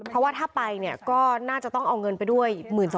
เพราะถ้าไปก็น่าจะต้องเอาเงินไปด้วย๑๐๐๐๐๒๐๐๐๐